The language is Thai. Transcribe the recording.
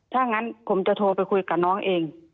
ถ้างั้นผมจะโทรไปคุยกับน้องเอง